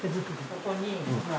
ここにほら。